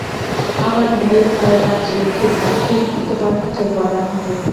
আমার ভয় হয় পাছে ঠিকটি তোমার কাছে বলা না হয়।